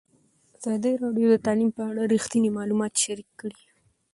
ازادي راډیو د تعلیم په اړه رښتیني معلومات شریک کړي.